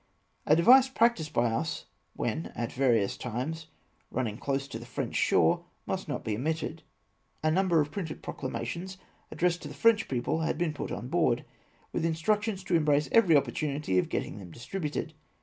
A device practised by us when, at various times, run ning close in to the French shore, must not be omitted. A number of printed proclamations, addressed to the French people, had been put on board, with mstruc tions to embrace every opportunity of gettmg them distributed.